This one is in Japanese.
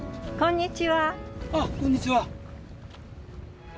あっこんにちは。